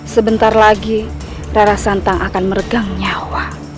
sebentar lagi rara santang akan meregang nyawa